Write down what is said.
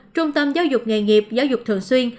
trung tâm giáo dục nghề nghiệp giáo dục thường xuyên